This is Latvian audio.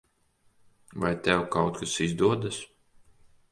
Vai tev kaut kas izdodas?